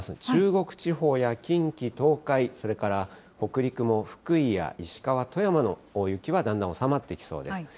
中国地方や近畿、東海、それから北陸も福井や石川、富山の大雪は、だんだん収まっていきそうです。